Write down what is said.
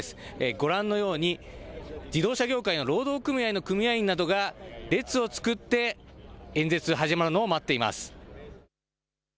ご覧のように自動車業界の労働組合の組合員などが列を作って演説が始まるのを待っています。